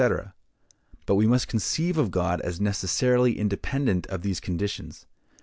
But we must conceive of God as necessarily independent of these conditions.